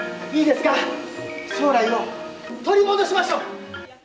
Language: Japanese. いいですか、将来を取り戻しましょう。